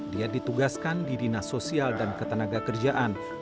dia ditugaskan di dinas sosial dan ketenaga kerjaan